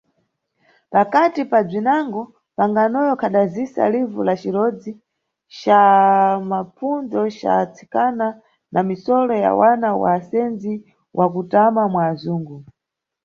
Pakati pa bzwinango, mpanganoyo unkadazisa livu la cirondzi ca mapfundzo ca atsikana na misolo ya wana wa asendzi wa kutama mwa azungu.